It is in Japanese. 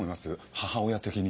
母親的に。